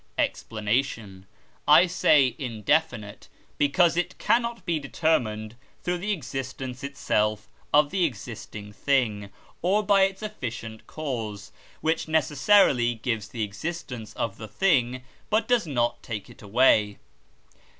Explanation. I say indefinite, because it cannot be determined through the existence itself of the existing thing, or by its efficient cause, which necessarily gives the existence of the thing, but does not take it away.